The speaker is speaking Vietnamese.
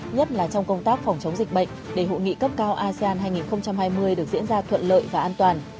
nhất là trong công tác phòng chống dịch bệnh để hội nghị cấp cao asean hai nghìn hai mươi được diễn ra thuận lợi và an toàn